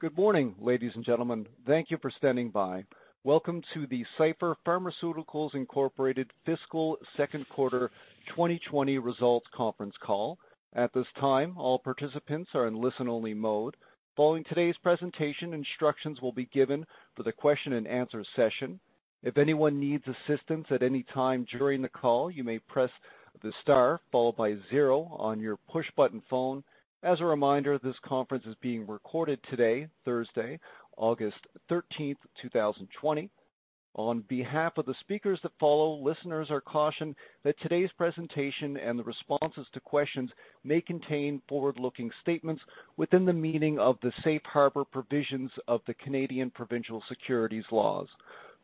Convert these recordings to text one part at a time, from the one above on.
Good morning, ladies and gentlemen. Thank you for standing by. Welcome to the Cipher Pharmaceuticals Incorporated Fiscal Second Quarter 2020 Results Conference Call. At this time, all participants are in listen-only mode. Following today's presentation, instructions will be given for the question-and-answer session. If anyone needs assistance at any time during the call, you may press the star followed by zero on your push-button phone. As a reminder, this conference is being recorded today, Thursday, August 13th, 2020. On behalf of the speakers that follow, listeners are cautioned that today's presentation and the responses to questions may contain forward-looking statements within the meaning of the safe harbor provisions of the Canadian Provincial Securities Laws.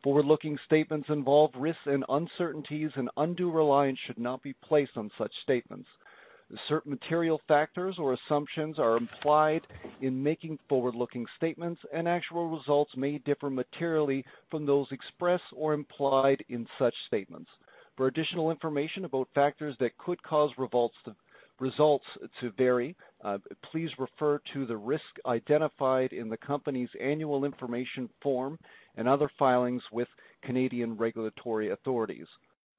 Forward-looking statements involve risks and uncertainties, and undue reliance should not be placed on such statements. Certain material factors or assumptions are implied in making forward-looking statements, and actual results may differ materially from those expressed or implied in such statements. For additional information about factors that could cause results to vary, please refer to the risk identified in the company's annual information form and other filings with Canadian regulatory authorities.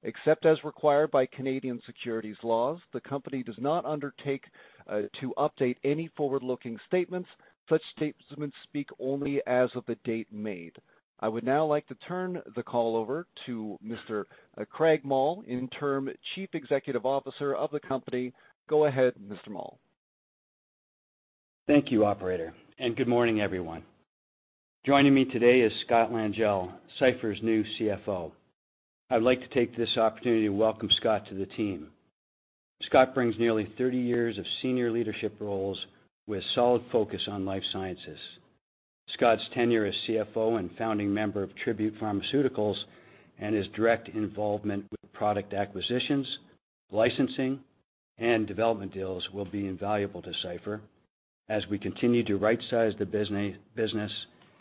Except as required by Canadian Securities Laws, the company does not undertake to update any forward-looking statements. Such statements speak only as of the date made. I would now like to turn the call over to Mr. Craig Mull, Interim Chief Executive Officer of the company. Go ahead, Mr. Mull. Thank you, Operator, and good morning, everyone. Joining me today is Scott Langille, Cipher's new CFO. I'd like to take this opportunity to welcome Scott to the team. Scott brings nearly 30 years of senior leadership roles with a solid focus on life sciences. Scott's tenure as CFO and founding member of Tribute Pharmaceuticals and his direct involvement with product acquisitions, licensing, and development deals will be invaluable to Cipher as we continue to right-size the business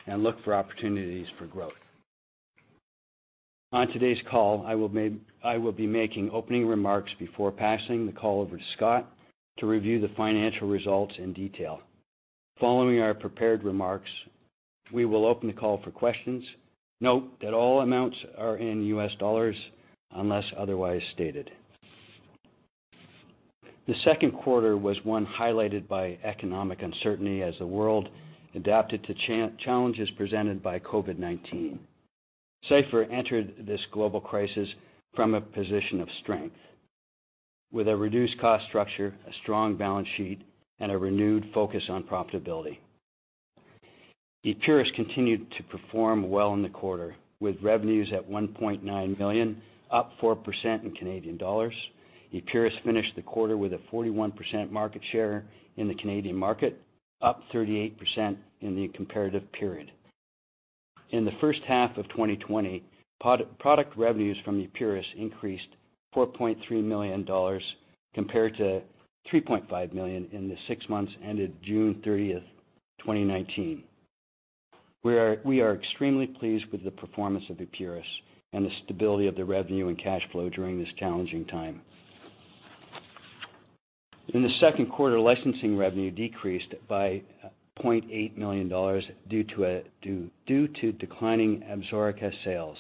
and look for opportunities for growth. On today's call, I will be making opening remarks before passing the call over to Scott to review the financial results in detail. Following our prepared remarks, we will open the call for questions. Note that all amounts are in U.S. dollars unless otherwise stated. The second quarter was one highlighted by economic uncertainty as the world adapted to challenges presented by COVID-19. Cipher entered this global crisis from a position of strength with a reduced cost structure, a strong balance sheet, and a renewed focus on profitability. EPURIS continued to perform well in the quarter with revenues at 1.9 million, up 4% in Canadian dollars. EPURIS finished the quarter with a 41% market share in the Canadian market, up 38% in the comparative period. In the first half of 2020, product revenues from EPURIS increased 4.3 million dollars compared to 3.5 million in the six months ended June 30th, 2019. We are extremely pleased with the performance of EPURIS and the stability of the revenue and cash flow during this challenging time. In the second quarter, licensing revenue decreased by 0.8 million dollars due to declining Absorica sales.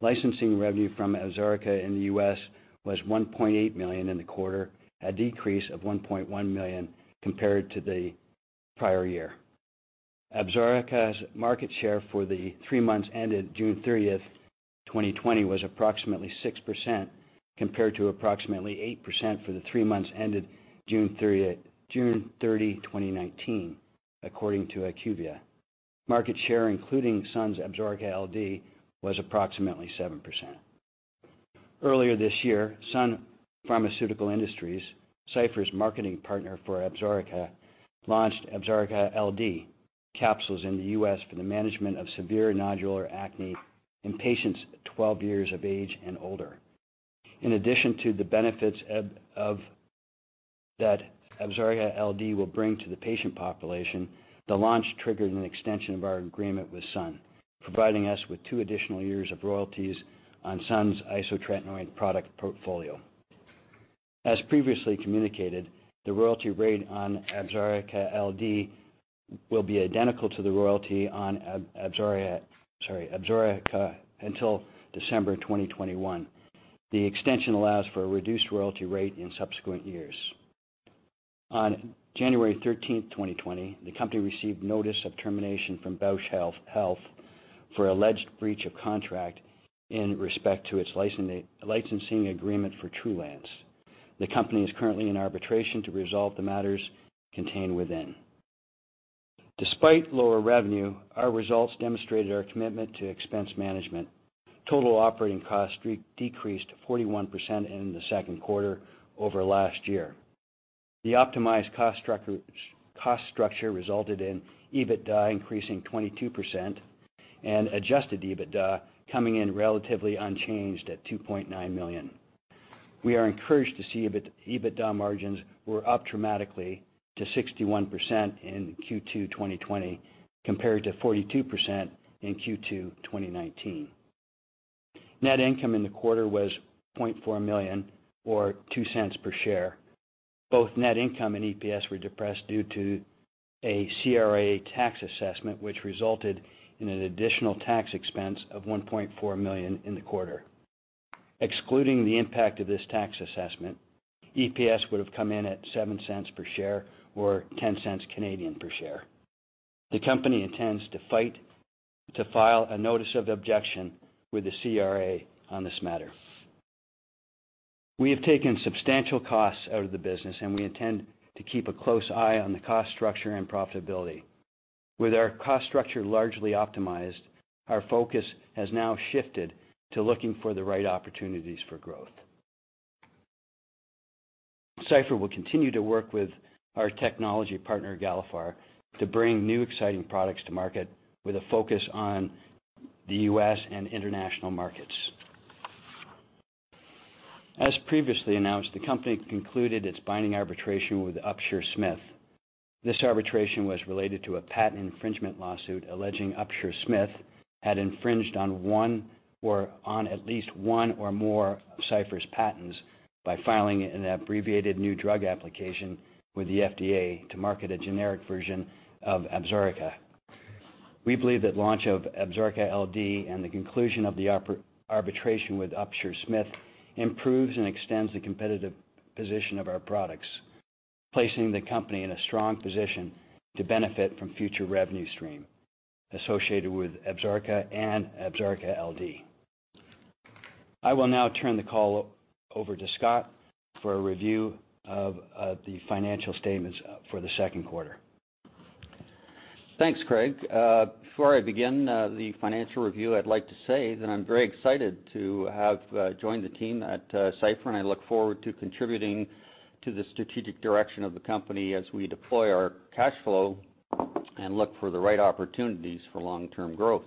Licensing revenue from Absorica in the U.S. was 1.8 million in the quarter, a decrease of 1.1 million compared to the prior-year. Absorica's market share for the three months ended June 30th, 2020, was approximately 6% compared to approximately 8% for the three months ended June 30, 2019, according to IQVIA. Market share, including Sun's Absorica LD, was approximately 7%. Earlier this year, Sun Pharmaceutical Industries, Cipher's marketing partner for Absorica, launched Absorica LD capsules in the U.S. for the management of severe nodular acne in patients 12 years of age and older. In addition to the benefits that Absorica LD will bring to the patient population, the launch triggered an extension of our agreement with Sun, providing us with two additional years of royalties on Sun's isotretinoin product portfolio. As previously communicated, the royalty rate on Absorica LD will be identical to the royalty on Absorica until December 2021. The extension allows for a reduced royalty rate in subsequent years. On January 13th, 2020, the company received notice of termination from Bausch Health for alleged breach of contract in respect to its licensing agreement for Trulance. The company is currently in arbitration to resolve the matters contained within. Despite lower revenue, our results demonstrated our commitment to expense management. Total operating costs decreased 41% in the second quarter over last year. The optimized cost structure resulted in EBITDA increasing 22% and adjusted EBITDA coming in relatively unchanged at 2.9 million. We are encouraged to see EBITDA margins were up dramatically to 61% in Q2 2020 compared to 42% in Q2 2019. Net income in the quarter was 0.4 million, or 0.02 per share. Both net income and EPS were depressed due to a CRA tax assessment, which resulted in an additional tax expense of 1.4 million in the quarter. Excluding the impact of this tax assessment, EPS would have come in at 0.07 per share or 0.10 per share. The company intends to file a notice of objection with the CRA on this matter. We have taken substantial costs out of the business, and we intend to keep a close eye on the cost structure and profitability. With our cost structure largely optimized, our focus has now shifted to looking for the right opportunities for growth. Cipher will continue to work with our technology partner, Galephar, to bring new exciting products to market with a focus on the U.S. and international markets. As previously announced, the company concluded its binding arbitration with Upsher-Smith. This arbitration was related to a patent infringement lawsuit alleging Upsher-Smith had infringed on one or on at least one or more of Cipher's patents by filing an Abbreviated New Drug Application with the FDA to market a generic version of Absorica. We believe that the launch of Absorica LD and the conclusion of the arbitration with Upsher-Smith improves and extends the competitive position of our products, placing the company in a strong position to benefit from future revenue streams associated with Absorica and Absorica LD. I will now turn the call over to Scott for a review of the financial statements for the second quarter. Thanks, Craig. Before I begin the financial review, I'd like to say that I'm very excited to have joined the team at Cipher, and I look forward to contributing to the strategic direction of the company as we deploy our cash flow and look for the right opportunities for long-term growth.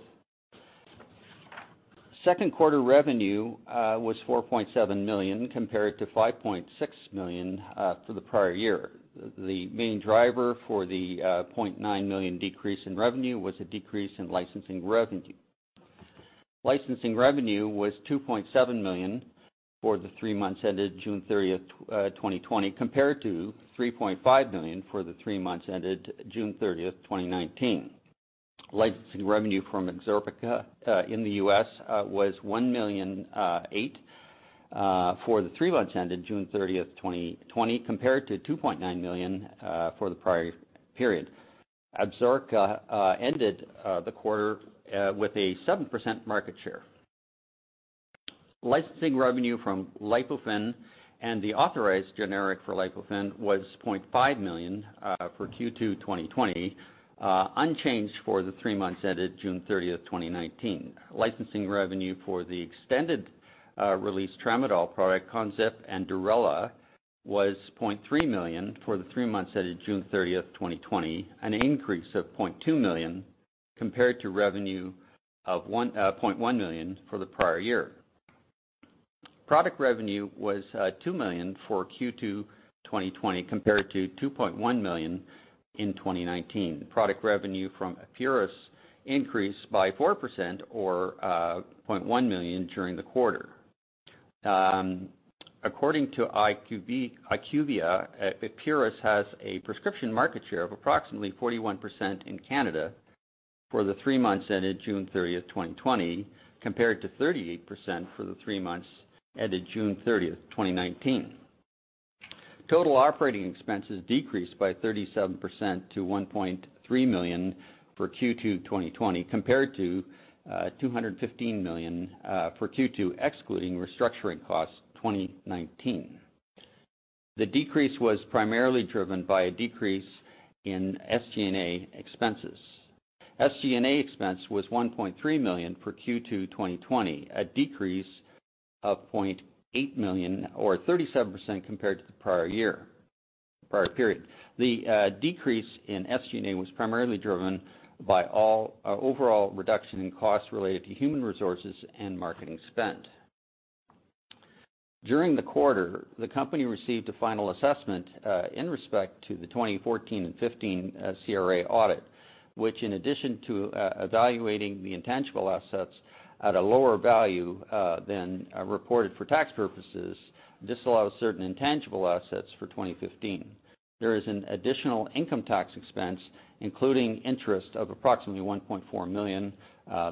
Second quarter revenue was 4.7 million compared to 5.6 million for the prior-year. The main driver for the 0.9 million decrease in revenue was a decrease in licensing revenue. Licensing revenue was 2.7 million for the three months ended June 30th, 2020, compared to 3.5 million for the three months ended June 30th, 2019. Licensing revenue from Absorica in the U.S. was 1.08 million for the three months ended June 30th, 2020, compared to 2.9 million for the prior-period. Absorica ended the quarter with a 7% market share. Licensing revenue from LIPOFEN and the authorized generic for LIPOFEN was 0.5 million for Q2 2020, unchanged for the three months ended June 30th, 2019. Licensing revenue for the extended-release tramadol product ConZip and DURELA was 0.3 million for the three months ended June 30th, 2020, an increase of 0.2 million compared to revenue of 0.1 million for the prior-year. Product revenue was 2 million for Q2 2020 compared to 2.1 million in 2019. Product revenue from EPURIS increased by 4% or 0.1 million during the quarter. According to IQVIA, EPURIS has a prescription market share of approximately 41% in Canada for the three months ended June 30th, 2020, compared to 38% for the three months ended June 30th, 2019. Total operating expenses decreased by 37% to 1.3 million for Q2 2020 compared to 2.15 million for Q2 2019 excluding restructuring costs. The decrease was primarily driven by a decrease in SG&A expenses. SG&A expense was 1.3 million for Q2 2020, a decrease of 0.8 million or 37% compared to the prior-period. The decrease in SG&A was primarily driven by overall reduction in costs related to human resources and marketing spend. During the quarter, the company received a final assessment in respect to the 2014 and 2015 CRA audit, which, in addition to evaluating the intangible assets at a lower value than reported for tax purposes, disallowed certain intangible assets for 2015. There is an additional income tax expense, including interest of approximately 1.4 million,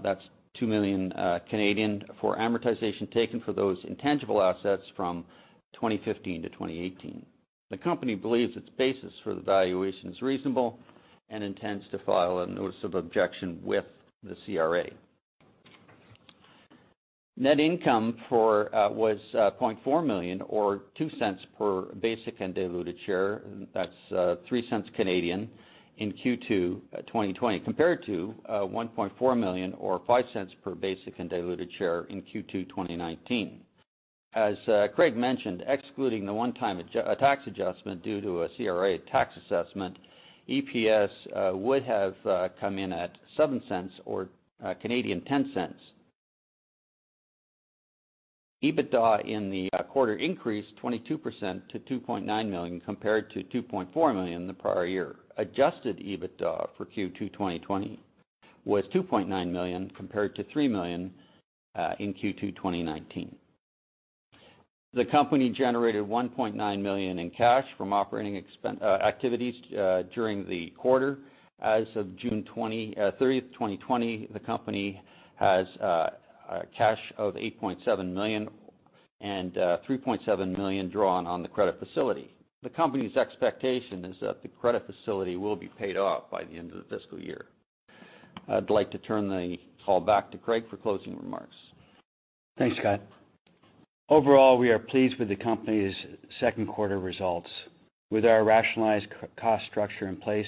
that's 2 million, for amortization taken for those intangible assets from 2015 to 2018. The company believes its basis for the valuation is reasonable and intends to file a notice of objection with the CRA. Net income was 0.4 million or 0.02 per basic and diluted share, that's 0.03 in Q2 2020, compared to 1.4 million or 0.05 per basic and diluted share in Q2 2019. As Craig mentioned, excluding the one-time tax adjustment due to a CRA tax assessment, EPS would have come in at 0.07 or CAD 0.10. EBITDA in the quarter increased 22% to 2.9 million compared to 2.4 million the prior-year. Adjusted EBITDA for Q2 2020 was 2.9 million compared to 3 million in Q2 2019. The company generated 1.9 million in cash from operating activities during the quarter. As of June 30th, 2020, the company has cash of 8.7 million and 3.7 million drawn on the credit facility. The company's expectation is that the credit facility will be paid off by the end of the fiscal year. I'd like to turn the call back to Craig for closing remarks. Thanks, Scott. Overall, we are pleased with the company's second quarter results. With our rationalized cost structure in place,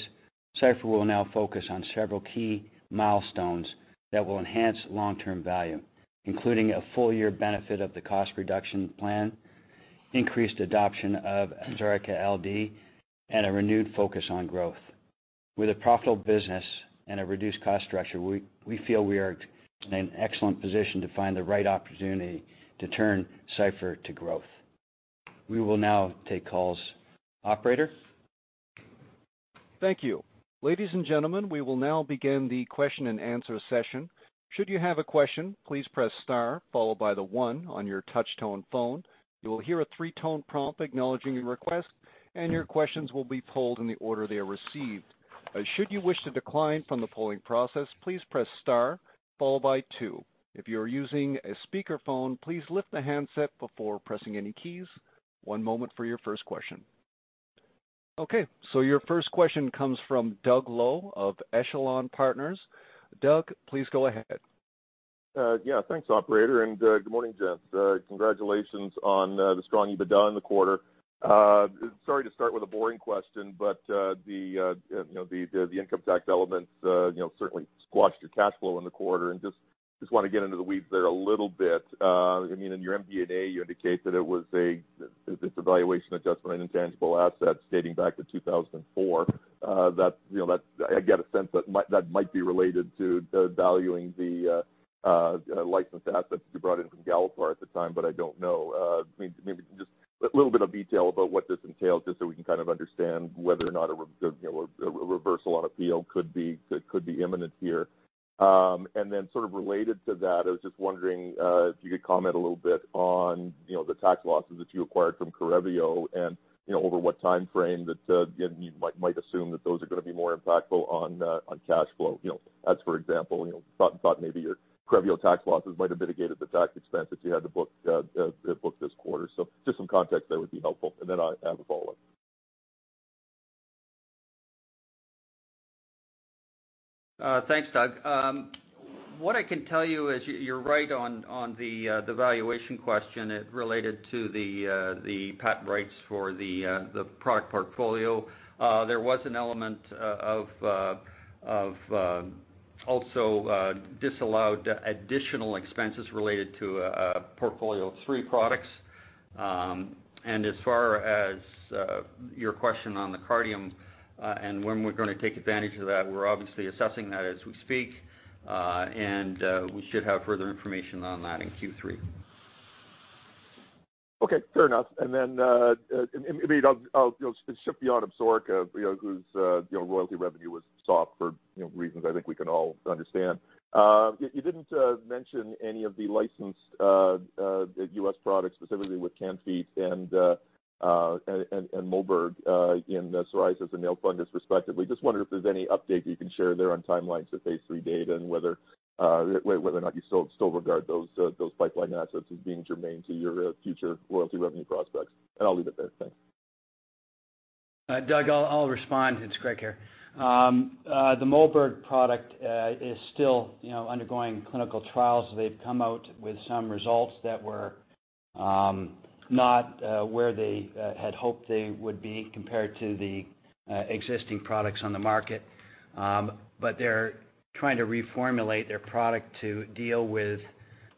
Cipher will now focus on several key milestones that will enhance long-term value, including a full-year benefit of the cost reduction plan, increased adoption of Absorica LD, and a renewed focus on growth. With a profitable business and a reduced cost structure, we feel we are in an excellent position to find the right opportunity to turn Cipher to growth. We will now take calls. Operator. Thank you. Ladies and gentlemen, we will now begin the question and answer session. Should you have a question, please press star followed by the one on your touch-tone phone. You will hear a three-tone prompt acknowledging your request, and your questions will be polled in the order they are received. Should you wish to decline from the polling process, please press star followed by two. If you are using a speakerphone, please lift the handset before pressing any keys. One moment for your first question. Okay. So your first question comes from Doug Loe of Echelon Partners. Doug, please go ahead. Yeah. Thanks, Operator. And good morning, gents. Congratulations on the strong EBITDA in the quarter. Sorry to start with a boring question, but the income tax elements certainly squashed your cash flow in the quarter. And just want to get into the weeds there a little bit. I mean, in your MD&A, you indicate that it was this valuation adjustment on intangible assets dating back to 2004. I get a sense that might be related to valuing the licensed assets that you brought in from Galephar at the time, but I don't know. Maybe just a little bit of detail about what this entails just so we can kind of understand whether or not a reversal on appeal could be imminent here. And then sort of related to that, I was just wondering if you could comment a little bit on the tax losses that you acquired from Correvio and over what time frame that you might assume that those are going to be more impactful on cash flow. As for example, thought maybe your Correvio tax losses might have mitigated the tax expense that you had to book this quarter. So just some context there would be helpful. And then I have a follow-up. Thanks, Doug. What I can tell you is you're right on the valuation question. It related to the patent rights for the product portfolio. There was an element of also disallowed additional expenses related to portfolio three products. And as far as your question on the Cardiome and when we're going to take advantage of that, we're obviously assessing that as we speak. And we should have further information on that in Q3. Okay. Fair enough. And then maybe I'll shift beyond Absorica, whose royalty revenue was soft for reasons I think we can all understand. You didn't mention any of the licensed U.S. products, specifically with Can-Fite and Moberg in psoriasis and nail fungus, respectively. Just wonder if there's any update you can share there on timelines of phase three data and whether or not you still regard those pipeline assets as being germane to your future royalty revenue prospects. And I'll leave it there. Thanks. Doug, I'll respond. It's Craig here. The Moberg product is still undergoing clinical trials. They've come out with some results that were not where they had hoped they would be compared to the existing products on the market. But they're trying to reformulate their product to deal with,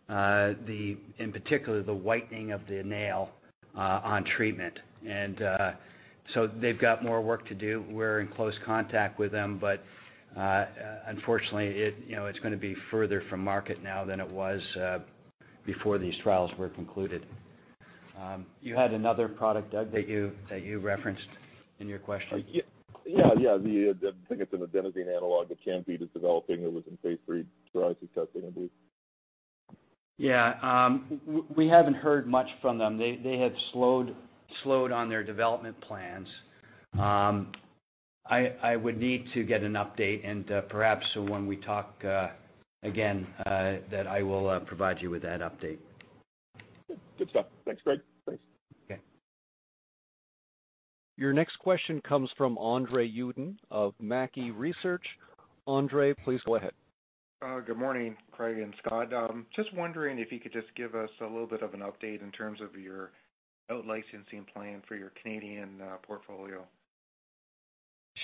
in particular, the whitening of the nail on treatment. And so they've got more work to do. We're in close contact with them. But unfortunately, it's going to be further from market now than it was before these trials were concluded. You had another product, Doug, that you referenced in your question. Yeah. Yeah. The thing that's an adenosine analog that Can-Fite is developing that was in phase three psoriasis testing, I believe. Yeah. We haven't heard much from them. They have slowed on their development plans. I would need to get an update. And perhaps when we talk again, that I will provide you with that update. Good stuff. Thanks, Craig. Thanks. Okay. Your next question comes from Andre Uddin of Mackie Research. Andre, please go ahead. Good morning, Craig and Scott. Just wondering if you could just give us a little bit of an update in terms of your licensing plan for your Canadian portfolio.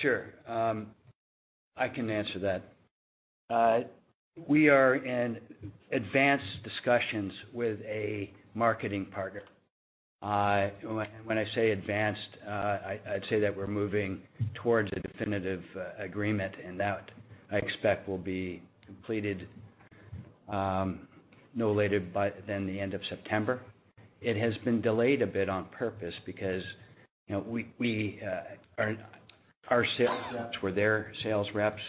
Sure. I can answer that. We are in advanced discussions with a marketing partner. When I say advanced, I'd say that we're moving towards a definitive agreement, and that I expect will be completed no later than the end of September. It has been delayed a bit on purpose because our sales reps, or their sales reps,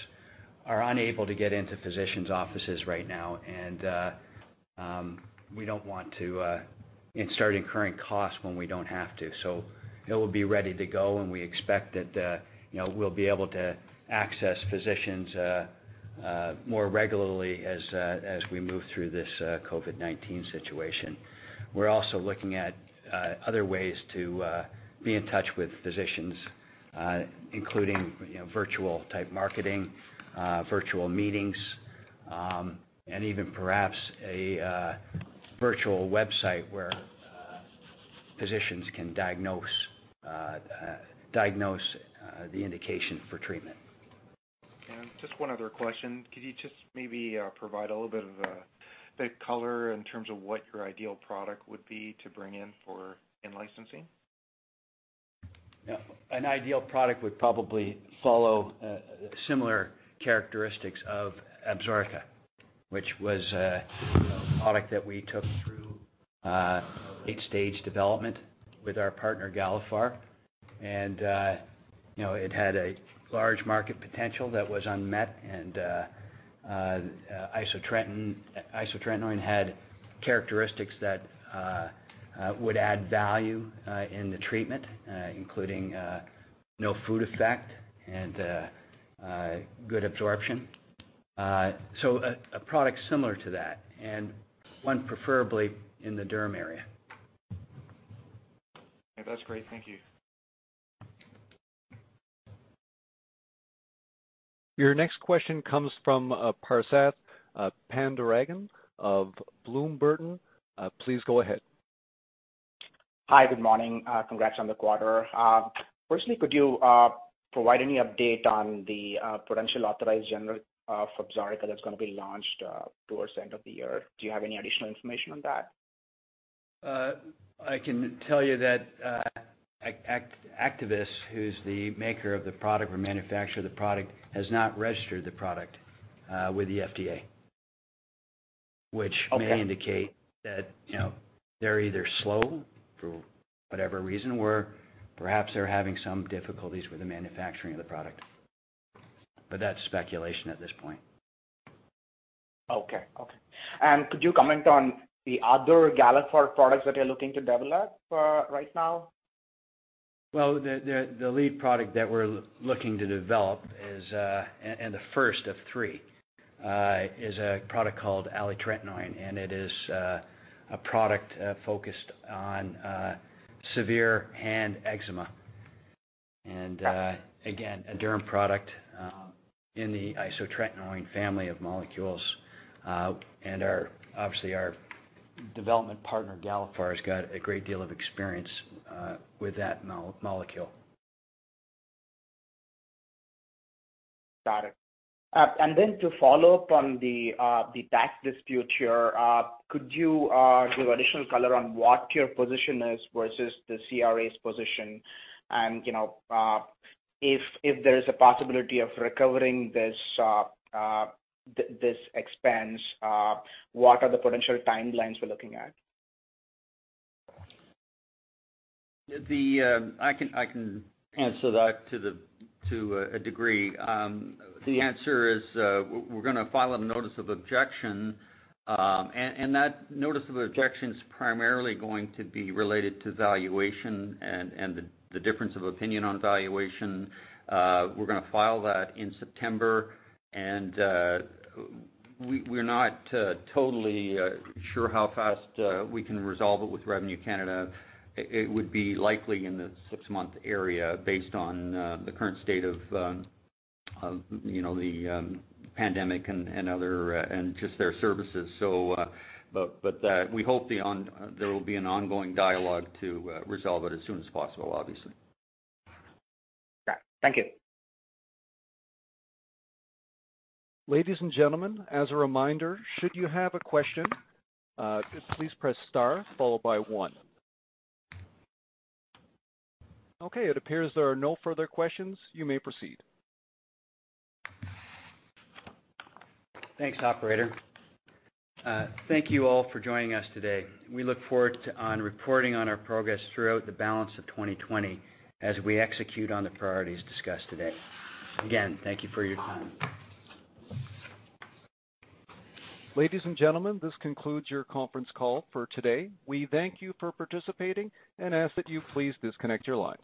are unable to get into physicians' offices right now, and we don't want to start incurring costs when we don't have to, so it will be ready to go, and we expect that we'll be able to access physicians more regularly as we move through this COVID-19 situation. We're also looking at other ways to be in touch with physicians, including virtual-type marketing, virtual meetings, and even perhaps a virtual website where physicians can diagnose the indication for treatment. Just one other question. Could you just maybe provide a little bit of a color in terms of what your ideal product would be to bring in for licensing? An ideal product would probably follow similar characteristics of Absorica, which was a product that we took through eight-stage development with our partner, Galephar. And it had a large market potential that was unmet. And isotretinoin had characteristics that would add value in the treatment, including no food effect and good absorption. So a product similar to that, and one preferably in the derm area. That's great. Thank you. Your next question comes from Prasath Pandurangan of Bloom Burton. Please go ahead. Hi. Good morning. Congrats on the quarter. Firstly, could you provide any update on the potential authorized generic for Absorica that's going to be launched towards the end of the year? Do you have any additional information on that? I can tell you that Actavis, who's the maker of the product or manufacturer of the product, has not registered the product with the FDA, which may indicate that they're either slow for whatever reason, or perhaps they're having some difficulties with the manufacturing of the product. But that's speculation at this point. Okay. Okay. And could you comment on the other Galephar products that you're looking to develop right now? The lead product that we're looking to develop is, and the first of three, a product called alitretinoin. It is a product focused on severe hand eczema. It is again a derm product in the isotretinoin family of molecules. Our development partner, Galephar, has got a great deal of experience with that molecule. Got it. And then to follow up on the tax dispute here, could you give additional color on what your position is versus the CRA's position? And if there is a possibility of recovering this expense, what are the potential timelines we're looking at? I can answer that to a degree. The answer is we're going to file a notice of objection. And that notice of objection is primarily going to be related to valuation and the difference of opinion on valuation. We're going to file that in September. And we're not totally sure how fast we can resolve it with Canada Revenue Agency. It would be likely in the six-month area based on the current state of the pandemic and just their services. But we hope there will be an ongoing dialogue to resolve it as soon as possible, obviously. Got it. Thank you. Ladies and gentlemen, as a reminder, should you have a question, please press star followed by one. Okay. It appears there are no further questions. You may proceed. Thanks, Operator. Thank you all for joining us today. We look forward to reporting on our progress throughout the balance of 2020 as we execute on the priorities discussed today. Again, thank you for your time. Ladies and gentlemen, this concludes your conference call for today. We thank you for participating and ask that you please disconnect your lines.